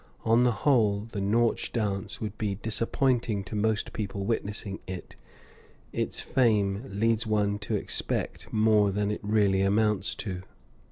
On the whole, the Nautch dance would be disappointing to most people witnessing it; its fame leads one to expect more than it really amounts to.